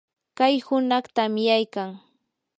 kay hunaq tamyaykan.